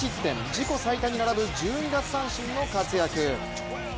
自己最多に並ぶ１２奪三振の活躍！